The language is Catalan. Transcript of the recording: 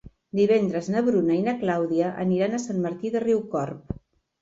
Divendres na Bruna i na Clàudia aniran a Sant Martí de Riucorb.